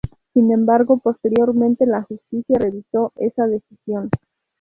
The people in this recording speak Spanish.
Sin embargo posteriormente la justicia revisó esa decisión.